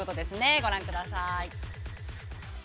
ご覧ください。